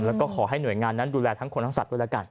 แล้วก็ขอให้หน่วยงานนั้นดูแลทั้งคนทั้งสัตว์ด้วยแล้วกัน